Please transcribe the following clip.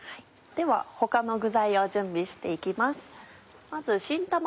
では他の具材を準備して行きます。